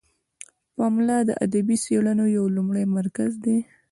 پملا د ادبي څیړنو یو لومړی مرکز دی.